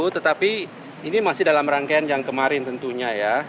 tetapi ini masih dalam rangkaian yang kemarin tentunya ya